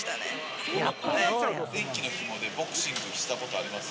電気のひもでボクシングしたことあります？